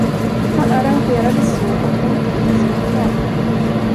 Han arrangerade så, att hon fick det som var kvar.